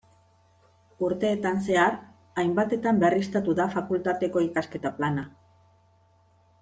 Urteetan zehar hainbatetan berriztatu da Fakultateko ikasketa-plana.